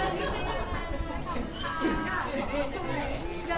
สวัสดีค่ะ